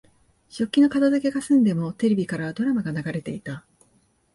食器の片づけが済んでも、テレビからはドラマが流れていた。